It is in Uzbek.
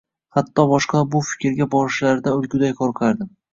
Hatto, boshqalar shu fikrga borishlaridan o`lguday qo`rqardim